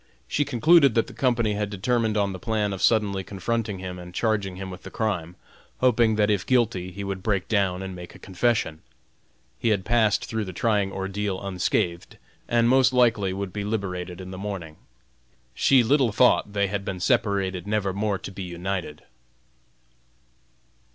She concluded that the Company had determined on the plan of suddenly confronting him and charging him with the crime, hoping that if guilty he would break down and make a confession. He had passed through the trying ordeal unscathed and most likely would be liberated in the morning. She little thought they had been separated never more to be united.